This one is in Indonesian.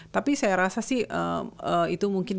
tapi saya rasa sih itu mungkin